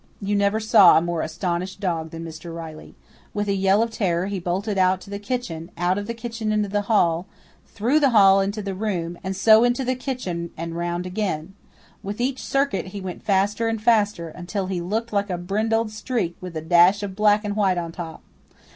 You never saw a more astonished dog than Mr. Riley. With a yell of terror he bolted out to the kitchen, out of the kitchen into the hall, through the hall into the room, and so into the kitchen and round again. With each circuit he went faster and faster, until he looked like a brindled streak with a dash of black and white on top.